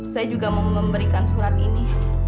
saya juga mau memberikan surat ini